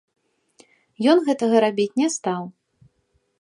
Ён гэтага рабіць не стаў.